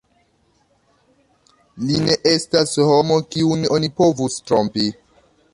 Li ne estas homo, kiun oni povus trompi.